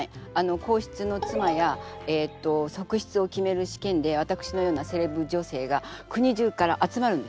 皇室のつまや側室を決める試験でわたくしのようなセレブ女性が国中から集まるんですね。